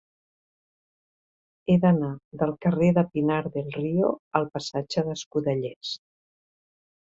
He d'anar del carrer de Pinar del Río al passatge d'Escudellers.